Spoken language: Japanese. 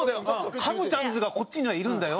ハムちゃんズがこっちにはいるんだよ？